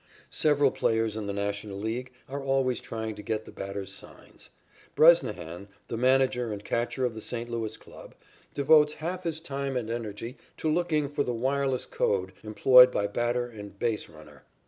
Several players in the National League are always trying to get the batter's signs. Bresnahan, the manager and catcher of the St. Louis club, devotes half his time and energy to looking for the wireless code employed by batter and base runner.